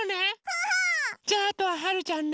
じゃああとははるちゃんね。